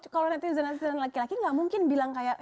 kalau netizen netizen laki laki gak mungkin bilang kayak